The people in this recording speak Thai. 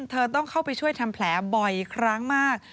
เธอต้องเข้าไปช่วยทำแผลบ่อยครั้งมาก